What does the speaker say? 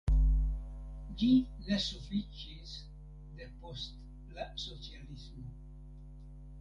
Ĝi ne sufiĉis depost la socialismo.